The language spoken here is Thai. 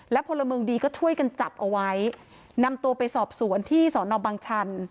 พลเมืองดีก็ช่วยกันจับเอาไว้นำตัวไปสอบสวนที่สอนอบังชัน